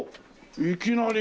いきなり。